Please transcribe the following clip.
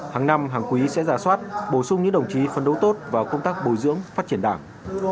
hàng năm hàng quý sẽ giả soát bổ sung những đồng chí phấn đấu tốt vào công tác bồi dưỡng phát triển đảng